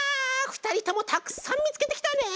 ふたりともたくさんみつけてきたね！